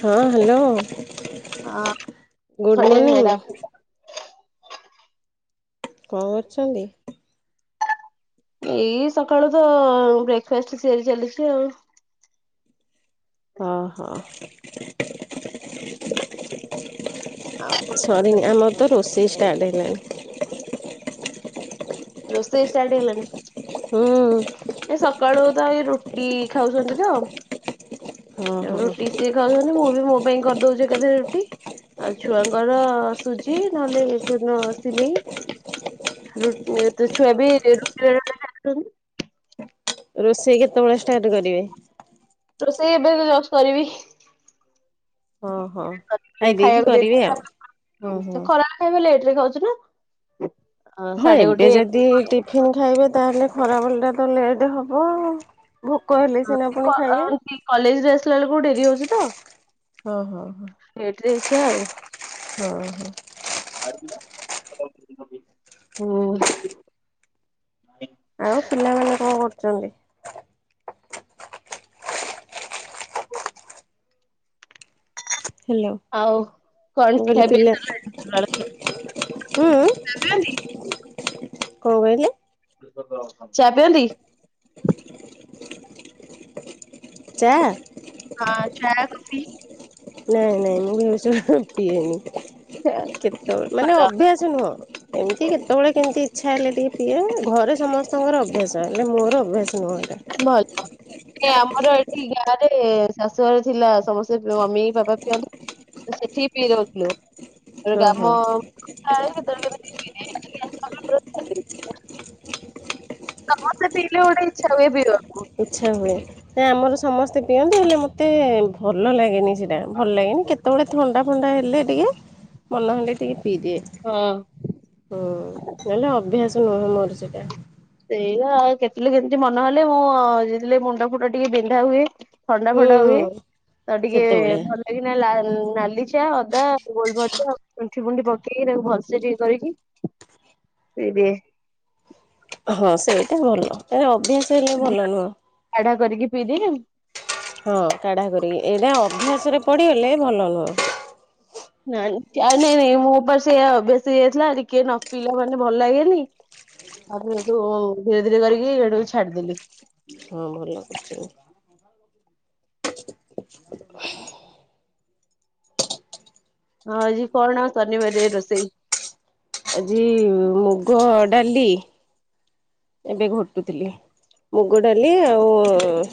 ହଁ ହ୍ୟାଲୋ ହଁ ଗୁଡ଼୍ ସକାଳେ ମର୍ନିଂ ମ୍ୟାଡାମ କଣ କରୁଛନ୍ତି ଏଇ ସକାଳୁ ତ ବ୍ରେକ୍ଫାଷ୍ଟ ସତିଆରି ଚାଲିଛି ଆଉ ହଁ ହଁ ଆଉ ସରି ଆମର ତ ରୋଷେଇ ଷ୍ଟାର୍ଟ ହେଲାଣି ରୋଷେଇ ଷ୍ଟାର୍ଟ ହେଇଗଲାଣି ହୁଁ ଏ ସକାଳୁ ତ ଏ ରୁଟି ଖାଉଛନ୍ତି ତ ଓହୋ। ରୁଟି ସିଏ ଖାଉଛନ୍ତି ହେଲେ ମୁଁ ବି ମୋ ପାଇଁ କରିଦଉଛି ଏକାଥରେ ରୁଟି ଆଉ ଛୁଆଙ୍କର ସୁଜି ନହେଲେ ସିମେଇ ର ଏ ତୁଛ ବି ରୋଷେଇ କେତେବେଳେ ଷ୍ଟାର୍ଟ କରିବେ ରୋଷେଇ ଏବେ ଜ-ଜଷ୍ଟ କରିବି। ହଁ ହଁ। ଖାଇ ଦେଇକି ଖାଇବାକୁ କରିବେ ଆଉ ହୁଁ ଦେଇ ହୁଁ। [inaudible] ଖରାବେଳେ ଆମେ ଲେଟରେ ଖାଉଚୁ ନା। ହଁ ସାଢେ ଗୋଟେ ଏବେ ଯଦି ଟିଫିନ ଖାଇବେ ତାହେଲେ ଖରାବେଳଟା ତ ଲେଟେ ହବ ଆଉ। ଭୋକ ହେଲେ କଅ କି କଲେଜରୁ ଆସିଲା ବେଳକୁ ଡେରି ହୋଉଚି ତ। ଓହୋ ହୋ। ଲେଟରେ ଖିଆ ଆଉ। ହଁ ହଁ। ହୁଁ। ଆଉ ପିଲାମାନେ କଣ କରୁଚନ୍ତି? ହେଲୋ। ଆଉ କଣ ଖିଆପିଆ ସରଲାଣି। ହୁଁ [unintelligible] କଣ କହିଲେ? ଚା ପିଅନ୍ତି? ଚାଆ? ହଁ ଚାଆ ଆଉ କଫି। ନାଇଁ ନାଇଁ ମୁଁ ଏ ଚାହାଁ ପିଏନି। ଭଲ। କେତୋଳେ ମାନେ ଅଭ୍ୟାସ ନୁହଁ ଏମିତି କେତୋବେଳେ କେମତି ଇଚ୍ଛା ହେଲେ ଟିକେ ପିଏ ଘରେ ସମସ୍ତଙ୍କର ଅଭ୍ୟାସ ହେଲେ ମୋର ଅଭ୍ୟାସ ନୁହଁ ଏକା। ନଇ କ ଏଇ ଆମର ଏଠି ଗାଁରେ ଶାଶୁଘର ଥିଲା ସମସ୍ତେ ପଅ ମମି, ପାପା ପିଅନ୍ତି ସେଠି ପିଇ ଦୋଉଥୁଲୁ। ହଁ ଗ୍ରାମ ହଁ [unintelligible] କେତୋଳେ କେମିତି ପିଇଦିଏ ଏଠିକି ଆସିଲା ପରେ ପରେ ଛାଡଦେଲି। ସମସ୍ତେ ପିଇଲେ ଗୋଟେ ଇଚ୍ଛା ହୁଏ ପିଇବାକୁ। ଇଚ୍ଛା ହୁଏ ନାଇ ଆମର ସମସ୍ତେ ପିଅନ୍ତି ହେଲେ ମ ମତେ ଭଲ ଲାଗେନି ସେଟା ଭଲ ଲାଗେନି କେତୋଳେ ଥଣ୍ଡା ଫଣ୍ଡା ହେଲେ ଟିକେ ମନ ହେଲେ ଟିକେ ପିଇଦିଏ। ହଁ। ହୁଁ ନହେଲେ ଅଭ୍ୟାସ ନୁହେଁ ମୋର ସେଟା। ସେଇଆ ଆଉ କେତୋଳେ କେମତି ମନ ହେଲେ ମୁଁ ଯେତେଲେ ମୁଣ୍ଡ ଫୁଟ ଟିକେ ବିନ୍ଧା ହୁଏ ଥଣ୍ଡା ହୁଁ ଫଣ୍ଡା ହୁଏ ହୁଁ ତ ଟିକେ ସେତେବେଳେ ଭଲ ଏଇନା ଲା ନାଲି ଚା ଅଦା, ଗୋଲମରିଚା, ସୁଣ୍ଠି ଫୁଣ୍ଠି ପକେଇକି ତାକୁ ଭଲସେ ଟିକେ କରିକି ସେଇ ଏବେ ହଁ ସେଇଟା ଭଲ ଚାହା ଅଭ୍ୟାସ ହେଲେ ଭଲ ନୁହଁ। ଚାଟା କରିକି ପିଇଦିଏ। ହଁ କାଢ଼ା କରିକି ଏଇଟା ଅଭ୍ୟାସରେ ପଢଡ଼ିଗଲେ ଭଲ ନୁହଁ। ନାଇଁ ଆଉ ଚା ନାଇଁ ନାଇଁ ମୋ ପା ସେୟା ଅଭ୍ୟାସ ହେଇଯାଇଥିଲା ଟିକିଏ ନ ପିଇଲା ମାନେ ଭଲ ଲାଗେନି। ଆଉ ହେଇଠୁ ଧୀରେ ଧୀରେ କରିକି ହେଠୁ ଛାଡିଦେଲି। ହଁ ଭଲ କରିଚ। ହଁ ଆଜି କଅଣ ସନିିବାରିଆ ରୋଷେଇ? ଆଜି ମୁଗ ଡାଲି। ଏ ଟିକେ ଘୋଟୁଥିଲି ମୁଗ ଡାଲି ଆଉ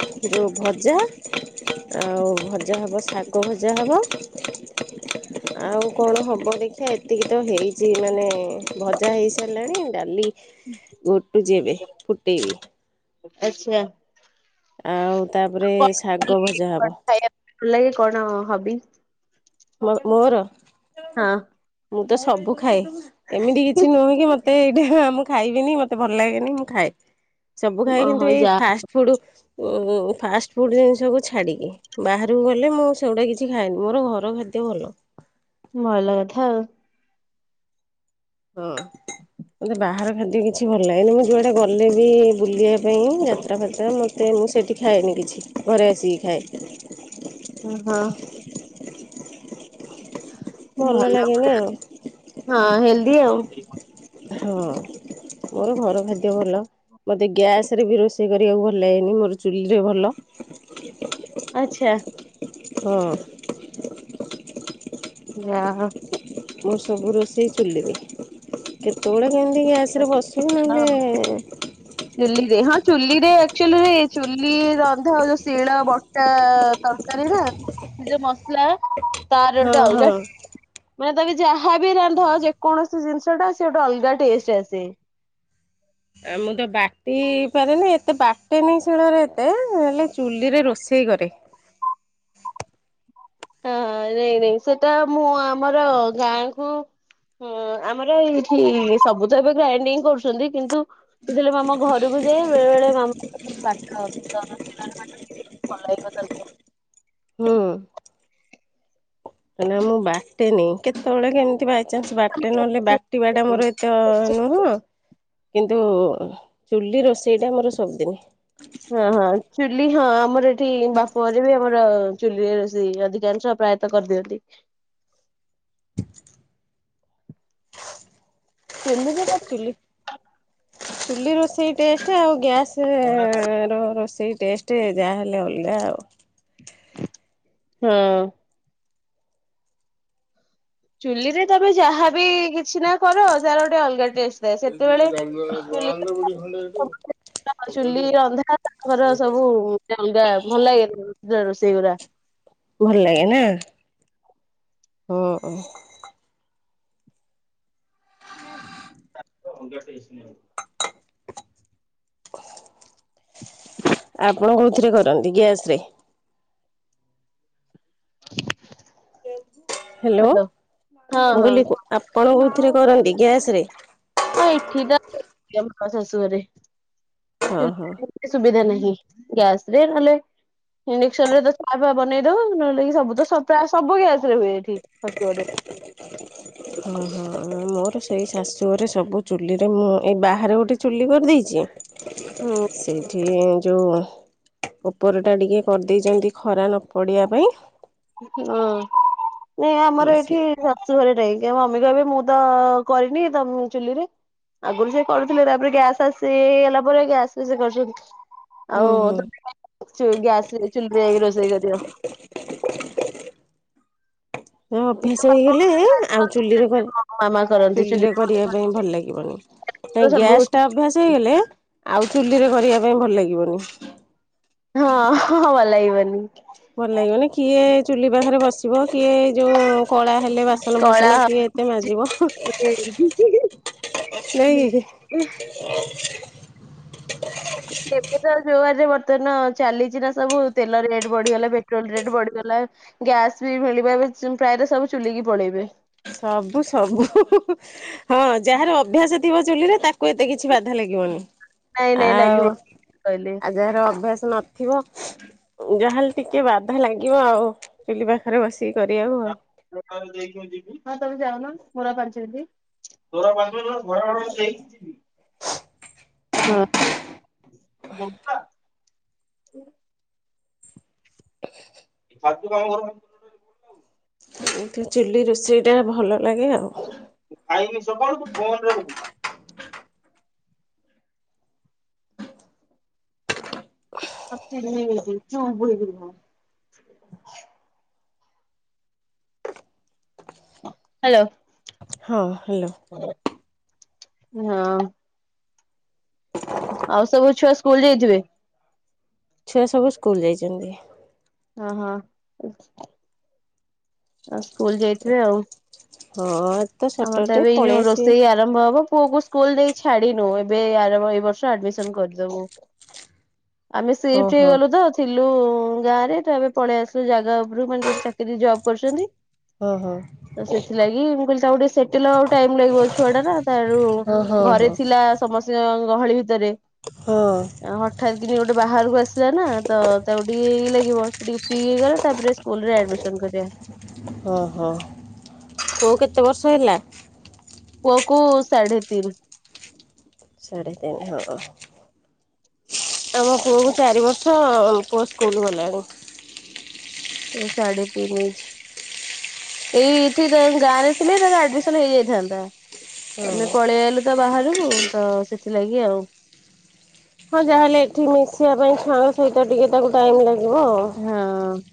ସେ ଯୋଉ ଭଜା। ଆଉ ଭଜା ହବ ଶାଗ ଭଜା ହବ। ହ ଆଉ କଣ ହବ ଦେଖିଆ ଏତିକି ତ ହେଇଚି ମାନେ ଭଜା ହେଇସାରଲାଣି ଡାଲି ଘୋଟୁଚି ଏବେ ଫୁଟେଇବି। ଆଛା। ଆଉ ତାପରେ ଶାଗ ଲାଗେ ଭଜା କଣ ହବ। ଖାଇବା ଲାଗେ କଣ ହବି? ମୋର ହଁ ମୁଁ ତ ସବୁ ମୁ ଖାଏ ଏମିତି କିଛି ନୁହେଁ କି ମତେ ଏଇଟା ମୁଁ ଖାଇବିନି ମତେ ଭଲ ଲାଗେନି ମୁଁ ଖାଏ। ସବୁ ଖାଇ ଓହୋ କିନ୍ତୁ ଏଇ ଯା ଫାଷ୍ଟ ଫୁଡ ଫାଷ୍ଟ ଫୁଡ ଜିନିଷକୁ ଛାଡ଼ିକି। ବାହାରକୁ ଗଲେ ମୁଁ ସେଗଟା କିଛି ଖାଏନି ମୋର ଘର ଖାଦ୍ୟ ଭଲ। ଭଲ କଥା ଆଉ ହଁ ମୋତେ ବାହାର ଖାଦ୍ୟ କିଛି ଭଲ ଲାଗେନି ମୁଁ ଯୁଆଡେ ଗଲେ ବି ବୁଲିବା ପାଇଁ ଯାତ୍ରା ଫ୍ରାତ୍ରା ମତେ ସେ ମୁଁ ସେଇଠି ଖାଏନି କିଛି ଘରେ ଆସିକି ଖାଏ। ହ ହଁ ଭଲ ଲାଗେନି ଆଉ ହଁ ହେଲଦି ଆଉ ହଁ ମୋର ଘର ଖାଦ୍ୟ ଭଲ। ମତେ ଗ୍ୟାସ ରେ ବି ରୋଷେଇ କରିବାକୁ ଭଲ ଲାଗେନି ମୋର ଚୁଲିରେ ଭଲ। [inaudible] ଆଚ୍ଛା ହଁ ନାଁ ମୁଁ ସବୁ ରୋଷେଇ ଚୁଲିବି କେତେବେଳେ କେମିତି ଗ୍ୟାସ୍ରେ ବସ ସେ ହଁ। ଆେ [inaudible] ଚୁଲିରେ ହଁ ଚୁଲିରେଚୁଆଲିରେ ଚୁଲି ରନ୍ଧାଉ ଯୋଉ ଶିଳ ବ ଟ ତରକାରୀ ନା ସେ ଯୋଉ ମସଲା ତାର ହଁ ଗୋଟେ ଅଲଗା ହଁ ମାନେ ତମେ ଯାହାବି ରାନ୍ଧ ଯେକୌଣସି ଜିନିଷ ଟା ସେ ଗୋଟେ ଅଲଗା ଟେଷ୍ଟ ଆସେ। ଆଉ ମୁଁ ତ ବାଟି ପାରେନି ଏତେ ବାଟେନି ଶିଳରେ ଏତେ ହେଲେ ଚୁଲିରେ ରୋଷେଇ କରେ। ହ ନାଇଁ ନାଇଁ ସେଟା ମୁଁ ଆମର ଗାଁ କୁ ହୁଁ ଆମର ଏଇଠି ସବୁ ତ ଏବେ ଗ୍ରାଇଣ୍ଡିଙ୍ଗ କରୁଛନ୍ତି କିନ୍ତୁ ସେତେବେଳେ ଆମ ଘରକୁ ଯାଏ ବେଳେ ବେଳେ ମାମା ବାଟ ଭଲ ହୁଁ କ ନା ମୁଁ ବାଟେନି କେତେବେଳେ କେମିତି ବା- ଚାନ୍ସ ବାଟଟା ନହେଲେ ବାଟି ବାଟା ମୋର ଏତ ତରକାରୀ। ନୁହଁ କିନ୍ତୁ ଚୁଲି ରୋଷେଇଟା ଆମର ସବୁଦିନି। ହଁ ହଁ ଚୁଲି ହଁ ଆମର ଏଠି ବାପ ଘରେ ବି ଆମର ଚୁଲିରେ ରୋଷଇ ଅଧିକାଂଶ ପ୍ରାୟତଃ କରିଦିଅନ୍ତି। [inaudible] କେନ୍ଦୁ [unintelligible] ଚୁଲି ଚୁଲି ରୋଷେଇ ଟେଷ୍ଟ ଆଉ ଗ୍ୟାସ ର ରୋଷେଇ ଟେଷ୍ଟ ଟେ ଯାହା ହେଲେ ଅଲଗା ଆଉ। ହଁ ଚୁଲିରେ ତମେ ଯାହାବି କିଛି ନା କର ତାର ଗୋଟେ ଅଲଗା ଟେଷ୍ଟ। ସେତେବେଳେ ଚୁ ଚୁଲି ରନ୍ଧା ତାଙ୍କର ସବୁ ଅଗା ଭଲ ଲାଗେ ରୋଷେଇ ଗୁରା। ଭଲ ଲାଗେ ନା? ହୁଁ ହାେଇସଉ [inaudible] ଆପଣ କୋଉଥିରେ କରନ୍ତି ଗ୍ୟାସ ରେ? ହ ହ୍ୟାଲୋ ମୁଁ ହଁ ହଁ କହିଲି ଆପଣ କୋଉଥିରେ କରନ୍ତି ଗ୍ୟାସ ରେ? ହଁ ଏଠି ତ ଶାଶୁ ଘରେ। ହଁ ହଁ। ସୁବିଧା ନାହିଁ ଗ୍ୟାସ ରେ ନହେଲେ ଇଣ୍ଡକ୍ସନ ରେ ତ ଚା ଫା ବନେଇ ଦଉ ନହେଲେ ସବୁ ତ ପ୍ରାୟ ସବୁ ଗ୍ୟାସ ରେ ହୁଏ ଏଠି। ଶାଶୁ ଘରେ। ହଁ ହଁ। ମୋର ସେଇ ଶାଶୁଘରେ ସବୁ ଚୁଲିରେ ମୁଁ ଏଇ ବାହାରେ ଗୋଟେ ଚୁଲି କରିଦେଇଛି। ହୁଁ ସେଇଠି। ସେ ଯୋଉ ଉପରଟା ଟିକେ କରିଦେଇଛନ୍ତି ଖରା ନ ପଡ଼ିବା ପାଇଁ। ହଁ ନ ହଁ ଆମର ସେ ଏଇଠି ଶାଶୁ ଘରେ ଟାଇଁ ମମି କହିବେ ମୁଁ ତ କରିନି ତମ ଚୁଲିରେ। ଆଗରୁ ସେ କରୁଥିଲେ ତାପରେ ଗ୍ୟାସ୍ ଆସିଇଗଲା ପରେ ଗ୍ୟାସ ବି ସେ କରୁଛନ୍ତି। ଆଉ ହୁଁ ହୁଁ ଗ୍ୟାସ ଚୁଲିରେକି ରୋଷେଇ କରିବ। ହ ଅଭ୍ୟାସ ହେଇଗଲେ ଆଉ ଚୁଲିରେ କରେ। ମାମା କରନ୍ତି ଚୁଲିରେ କରିବା ପାଇଁ ଭଲ ଲାଗିବନି କାଇ ସବୁ ହଁ ଗ୍ୟାସ୍ ଟା ଅଭ୍ୟାସ ହେଇଗଲେ ଆଉ ଚୁଲିରେ କରିବା ପାଇଁ ଭଲ ଲାଗିବନି। ହଁ ହଁ ଭଲ ଲାଗିବନି ଭଲ ଲାଗିବନି କିଏ ଚୁଲି ପାଖରେ ବସିବ କିଏ ଏଇ ଯୋଉ କଳା। ହେଲେ ବାସନ କଳା ବାାସନ କିଏ ଏତେ ହଉଛି ମାଜିବ। ନେଇ। ଏବେ ତ ଯୋଉଆରେ ବର୍ତ୍ତମାନ ଚାଲିଛି ନା ସବୁ ତେଲ ରେଟ୍ ବଢିଗଲା ପେଟ୍ରୋଲ ରେଟ୍ ବଢିଗଲା। ଗ୍ୟାସ ବି ମିଳିବ ଏ ପ୍ରାୟତ ସବୁ ଚୁଲିକି ପଳେଇବେ। ସବୁ ସବୁ ହଁ ଯାହାର ଅଭ୍ୟାସ ଥିବ ଚୁଲିରେ ତାକୁ ଏତେ କିଛି ବାଧା ଲାଗିବନି। ନାଇଁ ନାଇଁ ଆଉ ଲାଗିବ କହିଲେ। ଆଉ ଯାହାର ଅଭ୍ୟାସ ନଥିବ। ଯାହାେଲେ ଟିକେ ବାଧା ଲାଗିବ ଆଉ ଚୁଲି ପାଖରେ ବସିକି କରିବାକୁ ଆଉ ହଁ ତମେ ଯାଉନୁର ପୁରା ପାଞ୍ଚ ମିନ୍ତି। [unintelligible] ହଁ। ଫାର୍ ତୁ କାମ କର ଏ ଚିଲ୍ଲି ରୋଷେଇଟା ଭଲ ଲାଗେ ଆଉ ଖାଇକି ସବୁଳୁ ଫୋନ ରେ ସବ ଚିଲ୍ଲି ଚୁଭ [inaudible] ହ୍ୟାଲୋ। ହଁ ହ୍ୟାଲୋ। ହଁ। ଆଉ ସବୁ ଛୁଆ ସ୍କୁଲ ଯାଇଥିବେ? ଛୁଆ ସବୁ ସ୍କୁଲ ଯାଇଛନ୍ତି। ହଁ ହଁ। ଆଉ ସ୍କୁଲ ଯାଇଥିବେ ଆଉ ହଁ। ତ ଆମର ତ ସଟରଡେ ଏବେ ଏଇ ପଳେଇ ଆସିବେ। ରୋଷେଇ ଆ ଆରମ୍ଭ ହବ ପୁଅକୁ ସ୍କୁଲ ଦେଇ ଛାଡିିନୁ ଏବେ ଏ ବର୍ଷ ଆମିସନ କରିଦବୁ ଆମେ ହଁ ସିଫ୍ଟ ହଁ ହେଇଗଲୁ ତ ଥିଲୁ ଗାଁରେ ତ ଏେ ପଳେଇ ଆସିଲୁ ଜାଗା ଉପରୁ ମାନେ ଯୋଟେ ଚାକିର ଜବ କରୁଛନ୍ତି ହଁ ହଁ ତ ସେଥିଲାଗି ମୁଁ କ ତା ଗ ଟଟେ ସେଟେଲ ଆଉ ଟାଇମ୍ ଲାଗିବ ଛୁଆ ଟା ତ ରରୁ ହଁ ହଁ ଘରେ ହଁ ଥିଲା। ସମସ୍ତଙ୍କ ଗହଳି ଭିତରେ ହଁ ହଠାତ୍ କିିନ ଗୋଟେ ବାହାରକୁ ଆସିଲା ନା ତ ତାକୁ ଟିକେଇ ଲାଗିବ ସେ ଟିକେ ଫ୍ରି ହେଇଗଲା ତାପରେ, ସ୍କୁଲ ରେ ଆଡମିସନ କରିବା। ଓ ହୋ କୋଉ କେତେ ବର୍ଷ ହେଲା? ପୁଅକୁ ସାଢ଼େ ତିନି। ସାଢେ ତିନି ହଁ ଆମ ପୁଅ କୁ ଚାରି ବର୍ଷ। ହ ପୁଅ ସ୍କୁଲ ଗଲାନି। ସାଢ଼େତିନ ଇଞ୍ଚ। ଏଇ ଏଠି ତାଙ୍କ ଗାଁ ରେ ଥିଲେ ତାର ଆଡମିସନ ହେଇଯାଇଥାନ୍ତା। ଆମେ ପଳେଇ ଆଇଲୁ ତ ବାହାରୁ ତ ସେଥିଲାଗି ଆଉ। ହଁ ଯାହାହେଲେ ଏଠି ମିଶିବା ପାଇଁ ଛୁଆଙ୍କ ସହିତ ଟିକେ ତାକୁ ଟାଇମ ଲାଗିବ ଆଉ। ହଁ।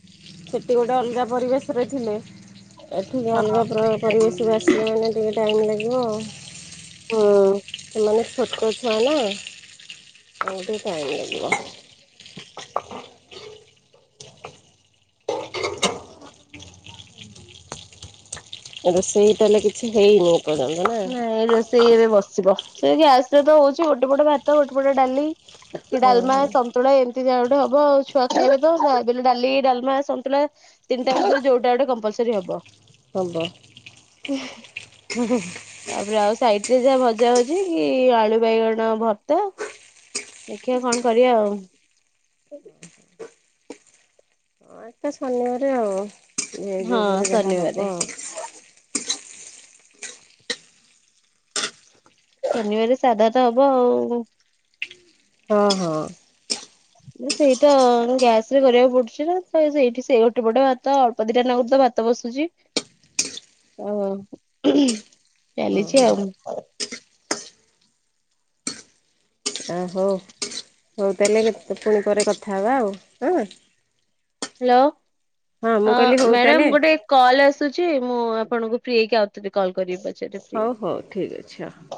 ସେଠି ଗୋଟେ ଅଲଗା ପରିବେଶରେ ଥିଲେ ଏଠିକି ଅଲଗା ପରିବେଶ ଆସିଲା ମାନେ ଟିକିଏ ଟାଇମ୍ ଲାଗିବ ଆ ହୁଁ। ମାନେ ଛୋଟ ଛୁଆ ନା ମତେ ଟାଇମ୍ ଲାଗିବ। ରୋଷେଇଇ ତାହଲେ କିଛି ହେଇନି? [unintelligible] ନାଁ ଏଇ ରୋଷେଇ ଏବେ ବସିବ। ସେ ଗ୍ୟାସ ରେ ତ ହଉଛି ଗୋଟେ ପଟ ଭାତ ଗୋଟେ ପଟ ଡାଲି ହଁ ଡାଲମା। ପତୁଳା ଏମିତିା ଗଟେ ହବ ଆଉ ଛୁଆ ଖାଇବେ ତ ଡାଲି ଡାମା ସୁ ତିନଟା ଯୋଉଟା ଗୋେ କମ୍ପଲରି ହବ। ହବ ହୁ ହୁ। ତାପରେ ଆଉ ସାଇଟ ରେ ଯାହା ଭଜା ହଉଛି କି ଆଳୁ ବାଇଗଣ ଭର୍ତ୍ତା। ଦେଖିବା କଣ କରିବା ଆଉ? ହୁଁ। ହଁ ଏଇ ଶନିବରେ ଆଉ ହଁ ଉପରେ ଯାହା ଶନିବାରେ ହବ ଆଉ। ଶନିବାର ସାଧା ତ ହବ ଆଉ ହଁ ହଁ। ସେଇଟା ଗ୍ୟାସ ରେ କରିବାକୁ ପଡୁଛି ନା ସେଇଠି ସେ ଗୋଟେ ପଟେ ଭାତ। ପଦିଟା ନାଗର ତ ଭାତ ବସୁଛି। ଓ ହଁ ଚାଲିଛି ହଁ ଆଉ ମୁଁ ଆ ହଉ ହଉ ତାହେଲେ କେ ପୁଣି ପରେ କଥା ହେବା ଆଉ ହଁ। ହ୍ୟାଲୋ ମୁଁ ହଁ କହିଲି ହଉ ତାହେଲେ ମ୍ୟାଡ଼ାମ ଗୋଟେ କଲ୍ ଆସୁଛି ମୁଁ ଆପଣଙ୍କୁ ଫ୍ରି ହେଇକି ଆଉଥରେ କଲ୍ କରିବି। ପଛରେ ଫ୍ରି ହଉ ହଉ ଠିକ୍ ଅଛି ହ ହ।